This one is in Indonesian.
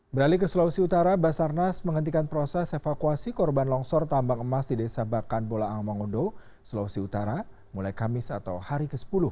beralih ke sulawesi utara basarnas menghentikan proses evakuasi korban longsor tambang emas di desa bakan bolaang mongondo sulawesi utara mulai kamis atau hari ke sepuluh